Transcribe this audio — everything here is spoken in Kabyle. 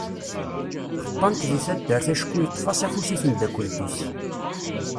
Xeṭṭan-t di taddart acku yeṭṭef-as afus i temdakelt-is.